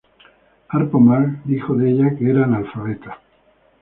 Harpo Marx dijo de ella que era analfabeta.